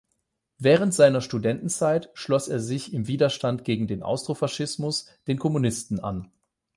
Während seiner Studentenzeit schloss er sich im Widerstand gegen den Austrofaschismus den Kommunisten an.